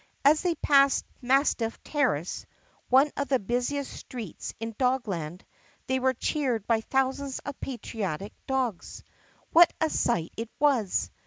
As they passed Mastiff Terrace, one of the busiest streets in Dogland, they were cheered by thousands of patriotic dogs. What a sight it was!